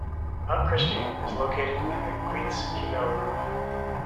Mount Christie is located in the Queets-Quinault group.